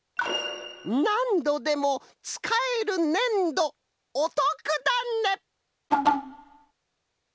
「なんどでもつかえるねんどおとくだね」。